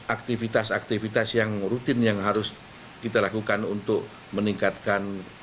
aktivitas aktivitas yang rutin yang harus kita lakukan untuk meningkatkan